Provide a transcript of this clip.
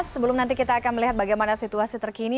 sebelum nanti kita akan melihat bagaimana situasi terkini